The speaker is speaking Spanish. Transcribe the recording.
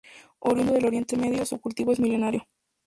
Oriundo del Oriente Medio, su cultivo es milenario.